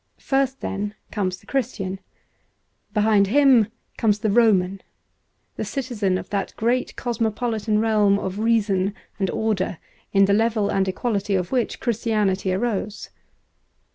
First, then, comes the Christian ; behind him comes the Roman — the citizen of that great cosmopolitan realm of reason and order, in the level and equality of which Christianity arose.